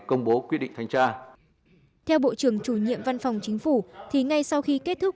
công bố quyết định thanh tra theo bộ trưởng chủ nhiệm văn phòng chính phủ thì ngay sau khi kết thúc